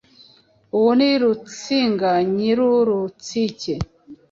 Uwo ni Rutsinga, Nyirurutsike,